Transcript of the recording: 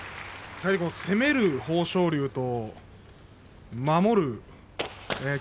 攻める豊昇龍と守る霧